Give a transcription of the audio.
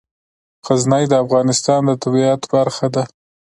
غزني د افغانستان د طبیعت برخه ده.